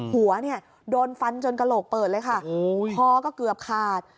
หัวเนี่ยโดนฟันจนกระโหลกเปิดเลยค่ะคอก็เกือบขาด